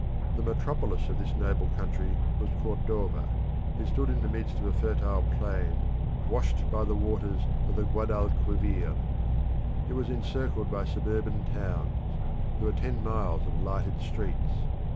The metropolis of this noble country was Cordova. It stood in the midst of a fertile plain washed by the waters of the Guadalquivir. It was encircled by suburban towns; there were ten miles of lighted streets.